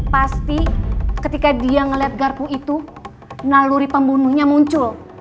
pasti ketika dia melihat garpu itu naluri pembunuhnya muncul